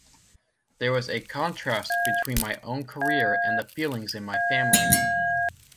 There was a contrast between my own career and the feelings in my family.